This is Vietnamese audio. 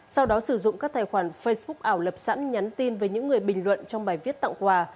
sau đó sử dụng các tài khoản facebook ảo lập sẵn nhắn tin với những người bình luận trong bài viết tặng quà